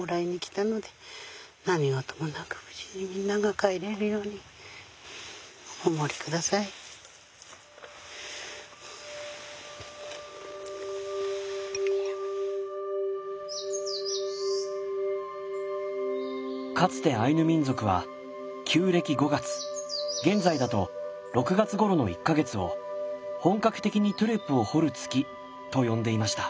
テレビ撮りに来たのでかつてアイヌ民族は旧暦５月現在だと６月ごろの１か月を「本格的にトゥレを掘る月」と呼んでいました。